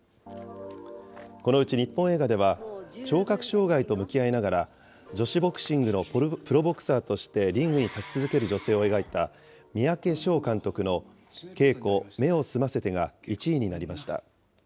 このうち日本映画では、聴覚障害と向き合いながら、女子ボクシングのプロボクサーとしてリングに立ち続ける女性を描いた、三宅唱監督のケイコ目を澄ませてが１位になりました。